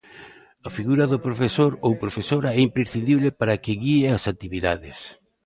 A figura do profesor ou profesora é imprescindible para que guíe as actividades.